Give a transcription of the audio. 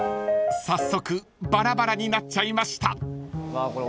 ［早速バラバラになっちゃいました］